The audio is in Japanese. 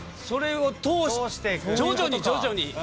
それを通して徐々に徐々に。